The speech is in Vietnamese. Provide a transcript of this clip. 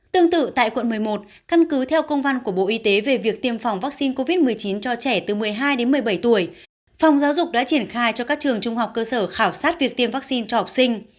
tương tự tại quận một mươi một căn cứ theo công văn của bộ y tế về việc tiêm phòng vaccine covid một mươi chín cho trẻ từ một mươi hai đến một mươi bảy tuổi phòng giáo dục đã triển khai cho các trường trung học cơ sở khảo sát việc tiêm vaccine cho học sinh